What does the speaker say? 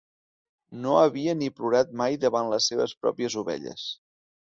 No havia ni plorat mai davant les seves pròpies ovelles.